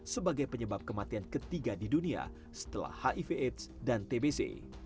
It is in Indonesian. sebagai penyebab kematian ketiga di dunia setelah hiv aids dan tbc